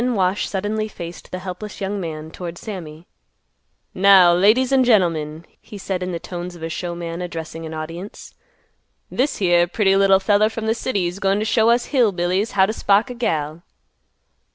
Then Wash suddenly faced the helpless young man toward Sammy. "Now ladies and gentlemen," he said in the tones of a showman addressing an audience, "this here pretty little feller from th' city's goin' t' show us Hill Billies how t' spark a gal."